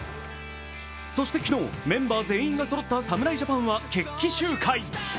そして昨日、メンバー全員がそろった侍ジャパンは決起集会。